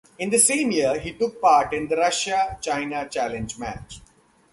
In the same year, he took part in the Russia - China Challenge Match.